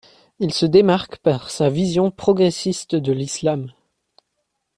Il se démarque par sa vision progressiste de l'islam.